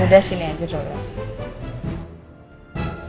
ya udah sini aja dulu